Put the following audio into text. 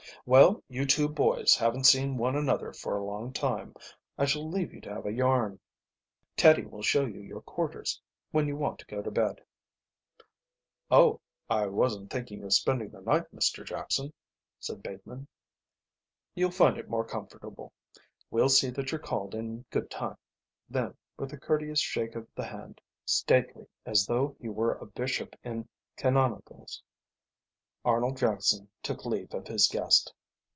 "Well, you two boys haven't seen one another for a long time. I shall leave you to have a yarn. Teddie will show you your quarters when you want to go to bed." "Oh, but I wasn't thinking of spending the night, Mr Jackson," said Bateman. "You'll find it more comfortable. We'll see that you're called in good time." Then with a courteous shake of the hand, stately as though he were a bishop in canonicals, Arnold Jackson took leave of his guest.